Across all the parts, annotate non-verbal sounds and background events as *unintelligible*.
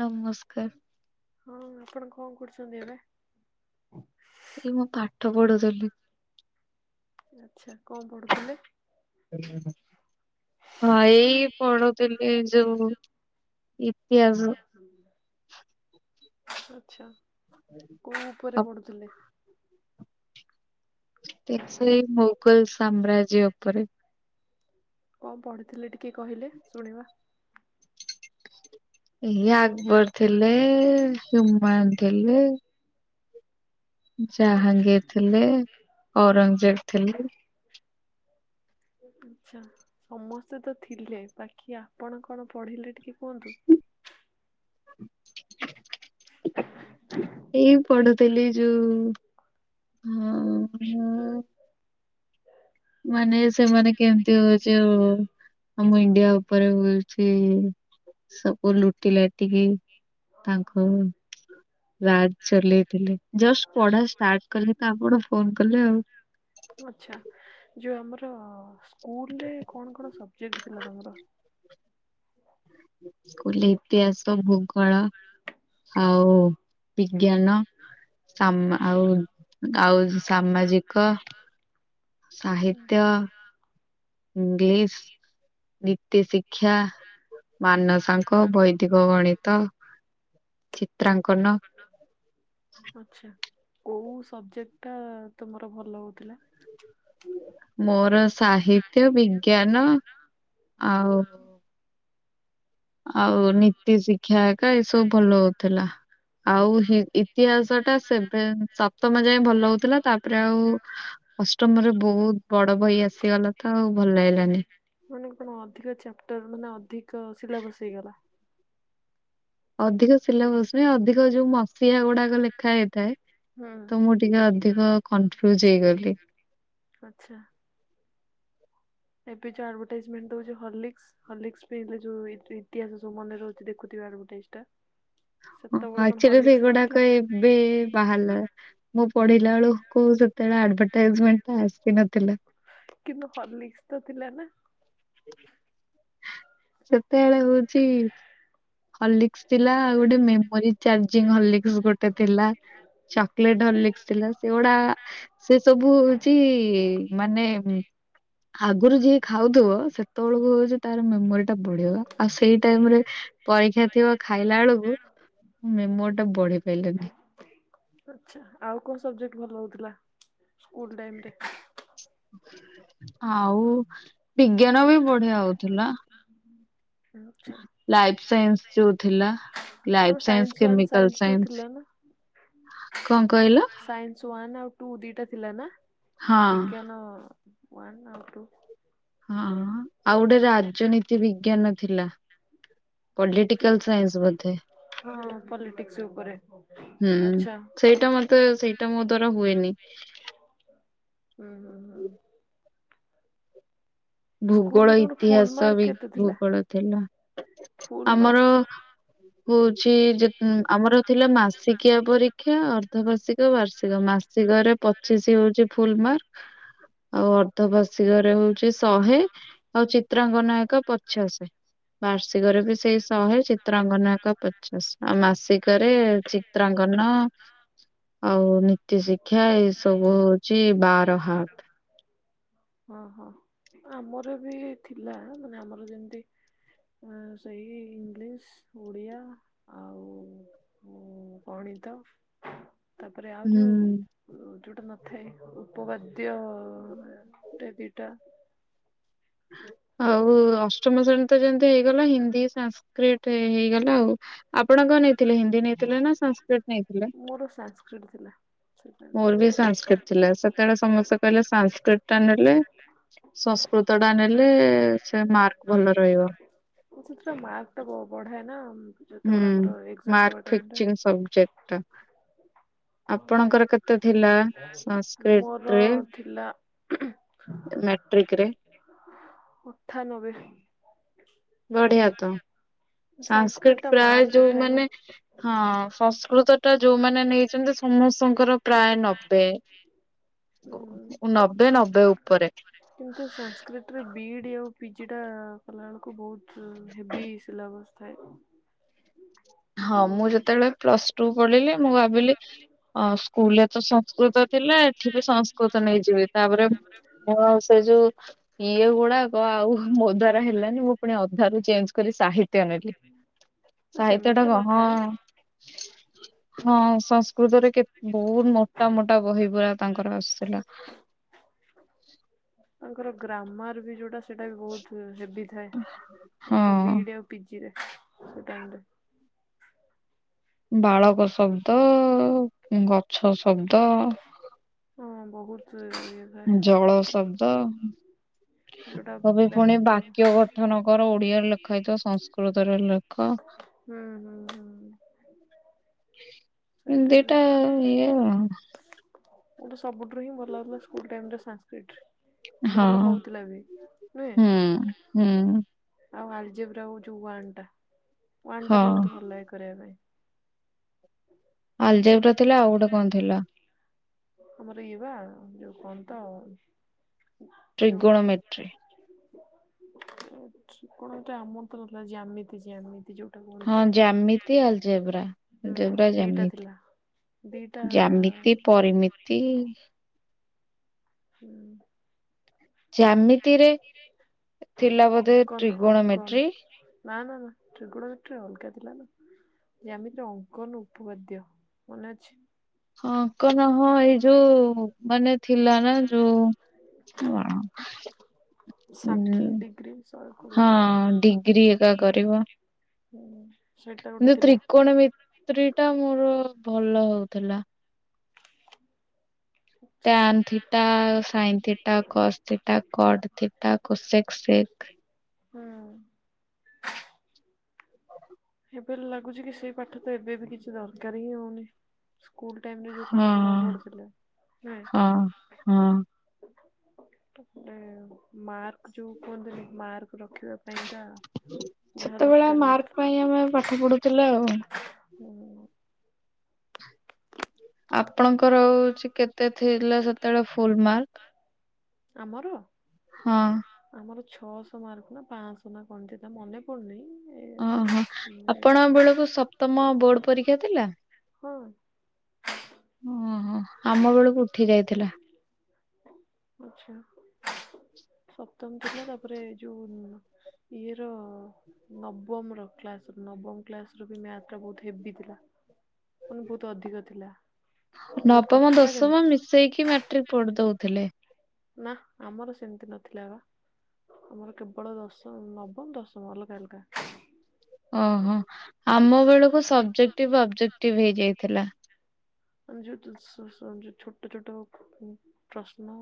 ନମସ୍କାର। ହଁ, ଆପଣ କଣ କରୁଛନ୍ତି ଏବେ? ଏଇ ମୁଁ ପାଠ ପଢୁଥିଲି। ଆଚ୍ଛା, କଣ ପଢୁଥିଲେ? ଉଁ ହୁଁ ହୁଁ। ହଁ ଏଇ ପଢୋଉଥିଲି ଯୋଉ ଇତିହାସ। ଆଛା। *unintelligible* କୋଉ ଉପରେ ପଢୁଥିଲେ? ତେ ସେଇ ମୋଗଲ ସାମ୍ରାଜ୍ୟ ଉପରେ। କଣ ପଢିଥିଲି ଟିକେ କହିଲେ ଶୁଣିବା? ଏଇ ଆକବର ଥିଲେ, ହିମାୟୁନ ଥିଲେ। ଆଚ୍ଛା ଜାହାଙ୍ଗୀର ଥିଲେ, ଔରଙ୍ଗଜେବ ଥିଲେ। ଆଛା, ସମସ୍ତେ ତ ଥିଲେ ବାକି ଆପଣ କଣ ପଢିଲେ ଟିକେ କୁହନ୍ତୁ। ଏଇ ପଢୁଥିଲି ଯୋଉ ହୁଁ। ହୁଁ। ମାନେ ସେମାନେ କେମିତି ହୋଉଚି ଆଉ ଆମ ଇଣ୍ଡିଆ ଉପରେ ହୋଉ ଚି ସବୁ ଲୁଟି ଲାଟିକି ତାଙ୍କ ରାଜ ଚଲେଇଥିଲେ। ଜଷ୍ଟ ପଢା ଷ୍ଟାର୍ଟ କଲି ତ, ଆପଣ ଫୋନ କଲେ ଆଉ। ଆଛା, ଯୋଉ ଆମର ସ୍କୁଲ ରେ କଣ କଣ ସବଜେକ୍ଟ ଥିଲା ତମର? ସ୍କୁଲରେ ଇତିହାସ, ଭୂଗୋଳ, ଆଉ ବିଜ୍ଞାନ, ସାମା ଆଉ ଆଉ ସାମାଜିକ। ସାହିତ୍ୟ, ଇଂଲିଶ, ନି ତିଶିକ୍ଷା, ମାନସାଙ୍କ, ବୈଦିକ ଗଣିତ। ଚିତ୍ରାଅଙ୍କନ। ଆଛା, କୋଉ ସବଜେକ୍ଟ ଟା ତମର ଭଲ ହଉଥିଲା? ମୋର ସାହିତ୍ୟ, ବିଜ୍ଞାନ ଆଉ ଆଉ ନୀତି ଶିକ୍ଷା ଏକା, ଏ ସବୁ ଭଲ ହୋଉଥିଲା। ଆଉ ହି ଇତିହାସ ଟା ସେଭେ ସପ୍ତମ ଯାଏଁ ଭଲ ହୋଉଥିଲା, ତାପରେ ଆଉ ଅଷ୍ଟମରେ ବହୁତ ବଡ ବହି ଆସିଗଲା ତ, ଆଉ ଭଲ ଲାଗିଲାନି। ମାନେ କଣ ଅଧିକ ଚାପ୍ଟର ମାନେ ଅଧିକ ସିଲାବସ ହେଇଗଲା। ଅଧିକ ସିଲାବସ ନାଇଁ, ଅଧିକ ଯୋଉ ମସିହା ଗୁଡାକ ଲେଖା ହେଇଥାଏ ହୁଁ ତ, ମୁଁ ଟିକେ ଅଧିକ କନଫ୍ୟୁଜ ହେଇଗଲି। ଆଛା। ଏବେ ଯୋଉ ଆଡଭାଟାଇଜମେଣ୍ଟ ଦୋଉଚି ହଲିକ୍ସ ହଲିକ୍ସ ପିଇଲେ ଯୋଉ ଇତି ଇତିହାସ ସବୁ ମନେ ରହୁଚୁ ଦେଖୁଥିବେ ଆଡ଼ଭାଟାଇଜଟା। ହଁ ଆଚୁଆଲି ନଥିଲା। ସେଗୁଡାକ ଏବେ ବାହାରଲା। ମୋ ପଢିଲା ବେଳେକୁ ସେତେବେଳେ ଆଡଭଟାଇଜମେଣ୍ଟା ଆସିନଥିଲା। କିନ୍ତୁ ହଲିକ୍ସ ତ ଥିଲା ନା। ସେତେବେଳେ ହୋଉଚି ହଲିକ୍ସ ଥିଲା ଆଉ ଗୋଟେ ମେମୋରି ଚାର୍ଜିଂ ହଲିକ୍ସ ଗୋଟେ ଥିଲା। କେଲ୍ଟେ ହଲିକ୍ସ ଥିଲା ସେଗୁଡା ସେ ସବୁ ହୋଉଚି ମାନେ ଆଗରୁ ଯିଏ ଖାଉଥିବ ସେତେବେଳକୁ ହୋଉଚି ତାର ମେମୋରି ଟା ବଢିବ ଆଉ ସେଇ ଟାଇମରେ ପରୀକ୍ଷା ଥିବ ଖାଇଲା ବେଳକୁ ମେମୋର ଟା ବଢି ପାଇଲାନି। ଆଛା ଆଉ କଣ ସବଜେକ୍ଟ ଭଲ ହୋଉଥିଲା ସ୍କୁଲ ଟାଇମ ରେ? ଆଉ ବିଜ୍ଞାନ ବି ବଢିଆ ହଉଥିଲା। *unintelligible* ଆଚ୍ଛା ଲାଇଫ ସାଇନ୍ସ ଯୋଉ ଥିଲା। ତମର life science, one chemical two science. ଥିଲା ନା? କଣ କହିଲ? ତ ୱାନ୍ ଆଉ ଟୁ ଦିଟା ଥିଲା ନା ହଁ। ବିଜ୍ଞାନ ୱାନ୍ ଆଉ ଟୁ। ହଁ ହଁ ଆଉ ଗୋଟେ ରାଜନୀତି ବିଜ୍ଞାନ ଥିଲା। ପଲିଟିକାଲ ସାଇନ୍ସ ବୋଧେ। ହଁ ପଲିଟିକ୍ସ ଉପରେ ହୁଁ ଆଛା। ସେଇଟା ମତେ ସେଇଟା ମୋ ଦ୍ଵାରା ହୁଏନି। ହୁଁ ହୁଁ ହୁଁ। ଭୂଗୋଳ ସ୍କୁଲରେ ତମର ଫୁଲ ଇତିହାସ ମାର୍କ ବି କେତେ ଥିଲା? ଭୂଗୋଳ ଥିଲା ଫୁଲ ଆମର ମାର୍କ ହଉଛି ଯେ ଆମର ଥିଲା ମାସିକିଆ ପରୀକ୍ଷା ଅର୍ଦ୍ଧବାର୍ଷିକ ବାର୍ଷିକ ମାସିକରେ ପଚିଶ ହଉଛି ଫୁଲ ମାର୍କ ଆଉ ଅର୍ଦ୍ଧବାର୍ଷିକରେ ହଉଛି ଶହେ ଆଉ ଚିତ୍ରାଙ୍କନ ଏକା ପଚାଶ। ବାର୍ଷିକରେ ବି ସେଇ ଶହେ ଚିତ୍ରାଙ୍ଗନ ଏକା ପଚାଶ ଆଉ ମାସିକରେ ଚିତ୍ରାଙ୍କନ ଆଉ ନୀତି ଶିକ୍ଷା ଏ ସବୁ ହଉଛି ବାର ହାତ। ହଁ ହଁ ଆମର ବି ଥିଲା ମାନେ ଆମର ଯେମିତି ସେଇ ଇଂଲିଶ ଓଡିଆ ଆଉ ହୁଁ ଗଣିତ ତାପରେ ଆଉ ହୁଁ ଯୋଉ ଯୋଉଟା ନଥାଏ ଉପବାଦ୍ୟ। ତେ ଦିଇଟା *inaudible* ଆଉ ଅଷ୍ଟମ ଶ୍ରେଣୀ ତ ଯେମତି ହେଇଗଲା ହିନ୍ଦୀ ସଂସ୍କୃ ଲେଟ ହେଇଗଲା ଆଉ ଆପଣ କଣ ନେଇଥିଲେ ହିନ୍ଦୀ ନେଇଥିଲେ ନା ସାଂସ୍କ୍ରିଟ? ନେଇଥିଲେ? ମୋର ସାଂସ୍କ୍ରିଟ ଥିଲା। ପର୍ବ ମୋର ବି ସଂସ୍କୃତି ସାଂସ୍କ୍ରିଟ ସତ ଥିଲା ସେତେବେଳେ ସମସ୍ତ ସମସ୍ତେ କହିଲେ ସାଂସ୍କ୍ରିଟ ସଂସ୍କୃତ *inaudible* ପତଡା *inaudible* ନେଲେ ସେ ମାର୍କ ଭଲ ରହିବ। ସେଥିରେ ମାର୍କ ଟା ବଢାଏ ନା। ହୁଁ ଯେତେବେଳେ ଆମର ଏକ୍ଜାମ ଦବା ମାର୍କ ଟାଇମରେ ଫିକ୍ସିଂ ସବଜେକ୍ଟ ଟା। ଆପଣଙ୍କର କେତେ ଥିଲା ମୋର ସାଂସ୍କ୍ରିଟ ରେ? ଥିଲା ମେଟ୍ରିକ ରେ। ଅଠାନବେ। ବଢିଆ ତ ସାଂସ୍କ୍ରିଟ ଟା ପ୍ରାୟ ମାର୍କ ଉଠାଏ ନା ଯୋଉମାନେ ହଁ ସଂସ୍କୃତ ତ ଯୋଉମାନେ ନେଇଛନ୍ତି ସମସ୍ତଙ୍କର ପ୍ରାୟ ନବେ। ହୁଁ ମୁଁ ନବେ ନବେ ଉପରେ। କିନ୍ତୁ ସାଂସ୍କ୍ରିଟ ରେ ବିଇଡି ଆଉ ପିଜି ଟା କଲା ବେଳକୁ ବହୁତ ଉ ହେେବସ ଅବସ୍ଥାରେ *inaudible* ହଁ ମୁଁ ଯେତେବେଳେ ପ୍ଲସ ଟୁ ପଢିଲି ମୁଁ ଭାବିଲି ସ୍କୁଲରେ ତ ସଂସ୍କୃତ ଥିଲା ଏଠି ବି ସଂସ୍କୃତ ନେଇଯିବି। ତାପରେ ମୋ ସେ ଯୋଉ ଇଏ ଗୁଡାକ ଆଉ ମୋ ଦ୍ଵାରା ହେଲାନି ମୁଁ ପୁଣି ଅଧାରୁ ଚେଞ୍ଜ କରି ସାହିତ୍ୟ ନେଲି ସାହିତ ସେମିତି କ ନଥାଏ ହଁ। ହଁ ସଂସ୍କୃତରେ କେ ବହୁତ ମୋଟା ମୋଟା ବହି ପରା ତାଙ୍କର ଆସୁଥିଲା। ତାଙ୍କର ଗ୍ରାମାର ବି ଯୋଉଟା ସେଟା ବି ବହୁତ ହେଭି ଥାଏ ହଁ ଆମର ବି ଇ ଡ଼ି ଆଉ ପିଜିରେ ସେ ଟାଇମ୍ ରେ। ବାଳକ ଶବ୍ଦ ଗଛ ଶବ୍ଦ। ହଁ ବହୁତ ଇଏ। ଥାଏ। ଜଳ ଶବ୍ଦ। ଯୋଉଟା ତ ବି ପୁଣି ବ୍ୟାକ ବାକ୍ୟ ଗଠନ କର ଓଡିଆରେ ଲେଖା ହେଇଥ ସଂସ୍କୃତରେ ଲେ ହୁଁ ହୁଁ ହୁଁ। ସେଇଟା ଦି ବି ଟା ଇଏ ଆଉ। ମତେ ସବୁଠୁ ହିଁ ଭଲ ଲାଗୁଥିଲା ସ୍କୁଲ ଟାଇମ୍ ରେ ସାଂକ୍ରିଟ୍। ଭଲ ହଁ ହଉଥିଲା ବି ହୁଁ ହୁଁ ନୁହେଁ। ଆଉ ଆଲ୍ଜେବେରା ହଉଛି ୱାନ ଟା ୱାନ ହଁ ଟା ବି ମତେ ଭଲ ଲାଗେ କରିବା ପାଇଁ। ଆଲଜେବରା ଥିଲା ଆଉ ଗୋଟେ କଣ ଥିଲା। ଆମର ଇଏ ବା ଯୋଉ କଣ ତ? ଟ୍ରିଗୁଣ ମେଟ୍ରି। ଟ୍ରିଗୋଣ ଟା ଆମର ତ *unintelligible* ଯ୍ୟାମିତି ଯ୍ୟାମିତି ଯୋଉ। ହଁ ଜ୍ୟାମିତି ଆଲଜେବ୍ରା ହୁଁ ଆଲଜେବ୍ରା ଦିଟା ଜ୍ୟାମିତି ଥିଲା। ଦିଇଟା ମିତି। ହୁଁ। ଜ୍ୟାମିତିରେ ଥିଲା ବୋଧେ ଅଙ୍କନ ଅଙ୍କନ ଟ୍ରିଗୋଣମେଟ୍ରି ନା ନା ନା। ଟ୍ରିଗୁଣମେଟ୍ରୀ ରେ ଅଲଗା ଥିଲା ନା ଯ୍ୟାମିତିରେ ଅଙ୍କନ ଉପବାଦ୍ୟ ମନେ ଅଛି। ହଁ ଅଙ୍କନ ହଁ ଏଇ ଯୋଉ ମାନେ ଥିଲା ନା ଯୋଉ *unintelligible* ଉଁ ଷାଠିଏ ଡିଗ୍ରୀ ହଁ ଶହେକୋଡ଼ିଏ ଡିଗ୍ରୀ ଏକା ଡ଼ିଗ୍ରୀ। କରିବ ହୁଁ, ସେଇଟା ଗୋଟେ ଥିଲା। ତ୍ରି ଟା ମୋର ଭଲ ହଉଥିଲା। ଆଚ୍ଛା tan theta, sine theta, cos theta, cot theta cosec sec. ହଁ। ଏବେ ଲାଗୁଛି କି ସେଇ ପାଠ ତ ଏବେ ବି କିଛି ଦରକାର ହିଁ ହଉନି। ସ୍କୁଲ ଟାଇମ ରେ ଯୋଉ ପାଠ ପଢା ହଁ ପଢୁଥିଲା ହଁ ହଁ। ନୁହେଁ। ତାପଟେ ମାର୍କ ଯୋଉ କୁହନ୍ତନି ମାର୍କ ରଖିବାକୁ ଏଇଟା ଯାହା ସେତେବେଳେ ଦରକାର ମାର୍କ ହେଉଥିଲା। ପାଇଁ ଆମେ ପାଠ ପଢୁଥିଲେ ଆଉ। ହୁଁ ହୁଁ। ଆପଣଙ୍କର ହଉଛି କେତେ ଥିଲା ସେତେବେଳେ ଫୁଲ ମାର୍କ? ଆମର? ହଁ। ଆମର ଛଅଶହ ମାର୍କ ନା ପାଞ୍ଚଶହ ନା କଣ ଥିଲା ମନେ ପ ଓହୋ। *unintelligible* ଆପଣଙ୍କ ବେଳକୁ ସବ୍। ତମ ବୋର୍ଡ ପରୀକ୍ଷା ଥିଲା? ହଁ। ଓହୋ ଆମ ବେଳକୁ ଉଠି ଯାଇଥିଲା। ଆଚ୍ଛା। ସପ୍ତମ ଥିଲା ତାପରେ କୋଉ ଇଏ ର ନବମ ର କ୍ଲାସ ର ନବମ କ୍ଲାସ ର ମ୍ୟାଥ ବହୁତ ହେବି ଥିଲା। ପଣି ବହୁତ ଅଧିକ ଥିଲା। ବହୁତ ନବମ କଷ୍ଟ ଲାଗେନି? ଦଶମ ମିଶେଇକି ମାଟ୍ରିକ ପଢି ଦଉଥିଲେ। ନା ଆମର ସେମିତି ନଥିଲା ବା। ଆମର କେବଳ ଦଶମ ନବମ ଦଶମ ଅଲଗା ଅଲଗା। ଓହୋ ଆମ ବେଳକୁ ସବ୍‌ଜେକ୍ଟିଭ୍ ଅବ୍‌ଜେକ୍ଟିଭ ହେଇଯାଇଥିଲା। ତମେ ଯୋଉ ଛୋଟ ଛୋଟ ପ୍ରଶ୍ନ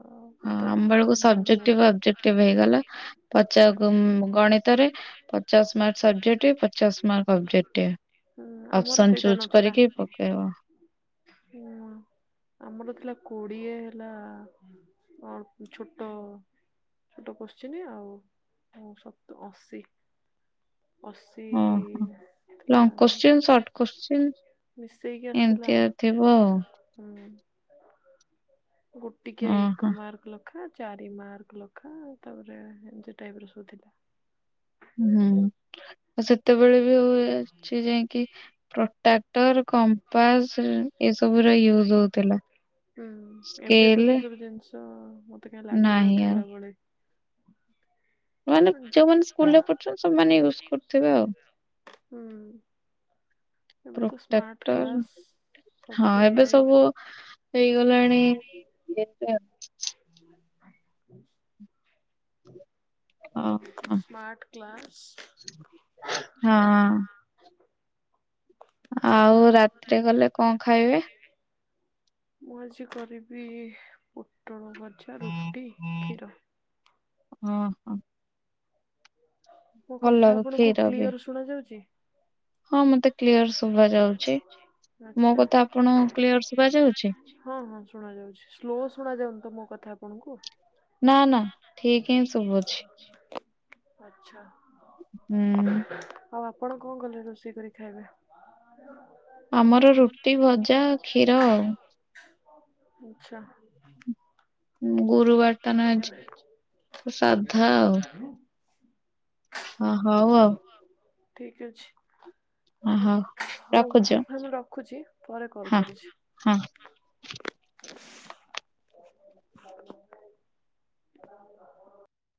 ଓ ହଁ ଉତ୍ତର ଆମ ବେଳକୁ ଆଉ ବଡ଼ ସବଜେକ୍ଟିଭ ବଡ଼। ଅବଜେକ୍ଟିଭ ହେଇଗଲା ପଚା ଗଣିତରେ ପଚାଶ ମାର୍କ ସବଜେକ୍ଟ ପଚାଶ ମାର୍କ ଅବଜେକ୍ଟିଭ। ହୁଁ ଆମର ଅପସନ ସେଇଟା ଚୁଜ ନଥିଲା। କରିକି ପକେଇବ ହୁଁ ଆମର ଥିଲା କୋଡିଏ ହେଲା ଓ ଛୋଟ। ଛୋଟ କୋଶ୍ଚିନ୍‌ ଆଉ ସତ ଅଶୀ। ଅଶୀ ଓହୋ ଥିଲା। ଲଙ୍ଗ କୋଶ୍ଚିନ୍ ସର୍ଟ କୋଶ୍ଚିନ୍ ମିଶେଇକି ଆସିଥିଲା ଏମିତି ଆଉ ଥିବ ଆଉ ହୁଁ। ଟିକେ ଏକ ଓହୋ ମାର୍କ ଲାଖା ଚାରି ମାର୍କ ଲଖା ଆଉ ତାପରେ ଏନ୍ତି ଟାଇପ୍ ର ସବୁଥିଲା। ହୁଁ। ଆଉ ସେତେବେଳେ ବି ଆଛି ଯାଇକି ପ୍ରଟ୍ରାକ୍ଟର କମ୍ପାସ। ଏ ସବୁ ର ୟୁଜ୍‌ ହଉଥିଲା ହୁଁ ଏବେ ସେ ସ୍କେଲ୍। ସବୁ ଜିନିଷ ତ ମତେ କାହିଁ ଲାଗୁନି ଥିଲା ଭଳି। ମାନେ ଯୋଉମାନେ ସ୍କୁଲ୍ ରେ ପଢୁଛନ୍ତି ସେମାନେ ୟୁଜ୍‌ କରୁଥିବେ ଆଉ। ହୁଁ। ଏବେ ତ ସ୍ମାର୍ଟ ପ୍ରୋଟାକ୍ଟର କ୍ଲାସ୍ ସବୁ ହଁ ତ ଏବେ ଏଆଇ ସବୁ ହେଇଗଲାଣି। ହଁ ହଁ ସ୍ମାର୍ଟ କ୍ଲାସ୍। ଆଉ ରାତିରେ ଗଲେ କଣ ଖାଇବେ? ମୁଁ ଆଜି କରିବି ପୋଟଳ ଭଜା ରୁଟି କ୍ଷୀର। ଓହୋ। ମୋ ଭଲ କଥା ଆପଣଙ୍କୁ କ୍ଷୀର ବି କ୍ଲିଅର ଶୁଣା ଯାଉଛି? ହଁ ମତେ କ୍ଲିୟର ଶୁଭା ଯାଉଛି ମୋ ଆଚ୍ଛା। କଥା ଆପଣଙ୍କୁ କ୍ଲିୟର ଶୁଭା ଯାଉଛି? ହଁ ହଁ ଶୁଣା ଯାଉଛି ସ୍ଲୋ ଶୁଣା ଯାଉନି ତ ମୋ କଥା ଆପଣଙ୍କୁ। ନା ନା ଠିକ୍ ହିଁ ସୁବୁଛି। ହଁ ଆଛା ହୁଁ ଆଉ ଆପଣ କଣ କଲେ ରୋଷେଇ କରି ଖାଇବେ? ଆମର ରୁଟି ଭଜା କ୍ଷୀର ଆଉ *unintelligible* ଆଛା। ଗୁରୁବାର ଟା ନା ଆଜି ତ ସାଧା ଆଉ। ଅ, ହଉ ଆଉ ଠିକ୍ ଅଛି। ଅ, ହଉ। ହୋଉ ରଖୁଛ ମୁଁ ଏବେ ରଖୁଛି ପରେ କଲ୍ ହଁ କରୁଛି। ହଁ। *unintelligible*